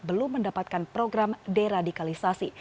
belum mendapatkan program deradikalisasi